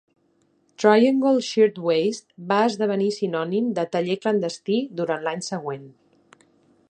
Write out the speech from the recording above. Triangle Shirtwaist va esdevenir sinònim de "taller clandestí" durant l'any següent.